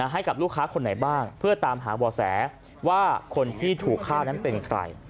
ให้กับลูกค้าคนไหนบ้างเพื่อตามหาบ่อแสว่าคนที่ถูกฆ่านั้นเป็นใคร